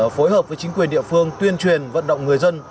phối hợp với chính quyền địa phương tuyên truyền vận động người dân